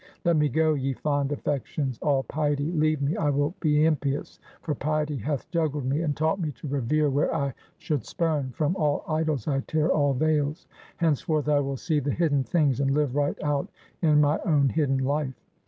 Let me go, ye fond affections; all piety leave me; I will be impious, for piety hath juggled me, and taught me to revere, where I should spurn. From all idols, I tear all veils; henceforth I will see the hidden things; and live right out in my own hidden life!